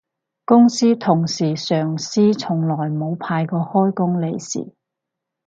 公司同事上司從來冇派過開工利是